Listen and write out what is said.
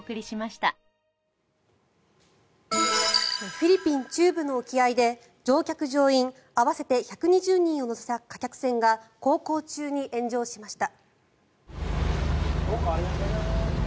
フィリピン中部の沖合で乗客・乗員、合わせて１２０人を乗せた貨客船が航行中に炎上しました。